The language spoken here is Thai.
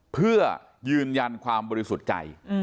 เพื่อยืนยันความบริสุทธิ์ใจ